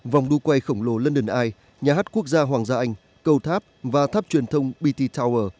vòng đua quay khổng lồ london ai nhà hát quốc gia hoàng gia anh cầu tháp và tháp truyền thông bt tower